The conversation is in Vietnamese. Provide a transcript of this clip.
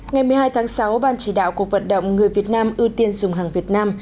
ngày một mươi hai tháng sáu ban chỉ đạo cuộc vận động người việt nam ưu tiên dùng hàng việt nam